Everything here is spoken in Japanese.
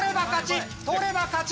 取れば勝ち。